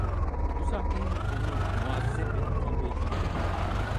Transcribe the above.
Bu sahnenin onu muazzep ettiği belliydi.